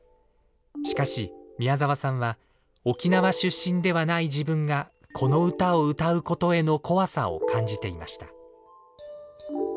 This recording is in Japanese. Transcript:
しかし宮沢さんは沖縄出身ではない自分がこの歌を歌うことへの怖さを感じていました。